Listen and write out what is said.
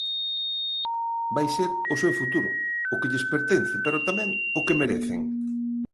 Vai ser o seu futuro, o que lles pertence pero tamén o que merecen.